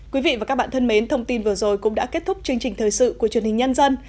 quý vị và các bạn thân mến thông tin vừa rồi cũng đã kết thúc chương trình thời sự của truyền hình nhân dân